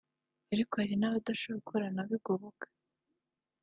ariko hari n’abadashoboye gukora nabo igoboka